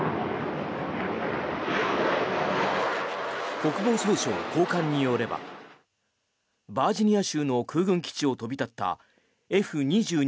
国防総省高官によればバージニア州の空軍基地を飛び立ったＦ２２